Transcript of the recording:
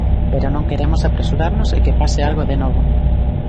Pero non queremos apresurarnos e que pase algo de novo.